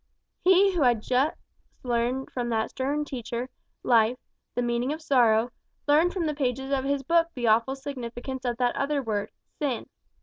He who had but just learned from that stern teacher, Life, the meaning of sorrow, learned from the pages of his book the awful significance of that other word, Sin.